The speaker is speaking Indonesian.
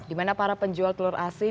dimana para penjual telur asin